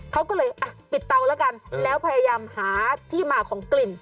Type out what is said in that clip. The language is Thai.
เขาก็เลยอ่ะปิดเตาแล้วกันแล้วพยายามหาที่มาของกลิ่น